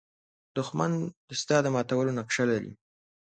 دښمن د ستا د ماتولو نقشه لري